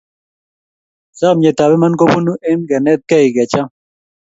Chamyetap iman kopunu eng kenetkei kecham